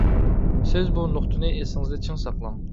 سىز بۇ نۇقتىنى ئېسىڭىزدە چىڭ ساقلاڭ.